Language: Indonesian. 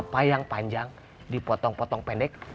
apa yang panjang dipotong potong pendek